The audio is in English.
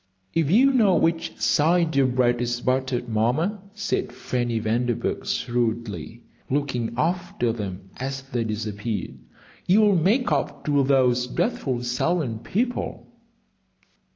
"If you know which side your bread is buttered, Mamma," said Fanny Vanderburgh, shrewdly, looking after them as they disappeared, "you'll make up to those dreadful Selwyn people."